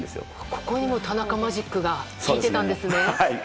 ここにも田中マジックが効いてたんですね！